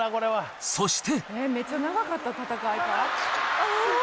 そして。